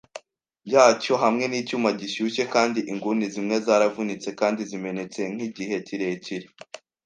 yacyo hamwe nicyuma gishyushye, kandi inguni zimwe zaravunitse kandi zimenetse nkigihe kirekire,